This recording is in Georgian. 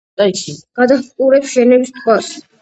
გადაჰყურებს ჟენევის ტბას.